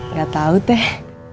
nggak tau teh